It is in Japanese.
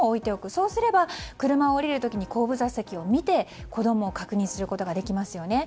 そうすれば車を降りる時に後部座席を見て子供を確認することができますよね。